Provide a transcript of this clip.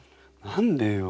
何でよ